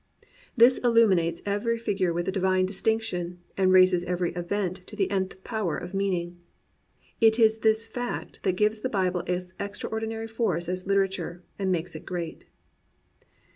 This illuminates every fig ure with a divine distinction, and raises every event to the nth power of meaning. It is this fact that gives the Bible its extraordinary force as literature and makes it great.